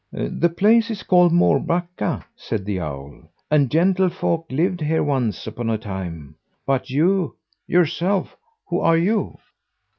"The place is called Mårbacka," said the owl, "and gentlefolk lived here once upon a time. But you, yourself, who are you?"